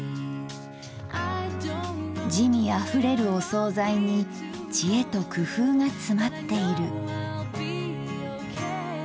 滋味あふれるお総菜に知恵と工夫がつまっている。